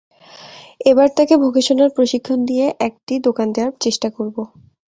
এবার তাকে ভোকেশনাল প্রশিক্ষণ দিয়ে একটি দোকান করে দেওয়ার চেষ্টা করব।